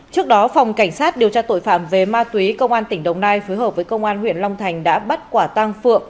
trước đó phòng cảnh sát điều tra tội phạm về ma túy công an tỉnh đồng nai phối hợp với công an huyện long thành đã bắt quả tăng phượng